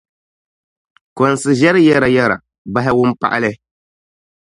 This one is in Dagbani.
Kɔnsi ʒiɛri yɛrayɛra, bahi wumpaɣili.